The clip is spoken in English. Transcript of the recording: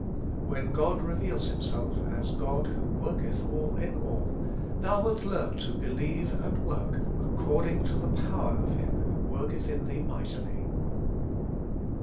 When God reveals Himself as ' God who worketh all in all/ thou wilt learn to believe and work ' according to the power of Him who worketh in thee mightily.'